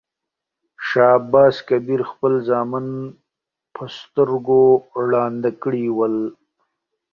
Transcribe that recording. شاه عباس کبیر خپل زامن په سترګو ړانده کړي ول.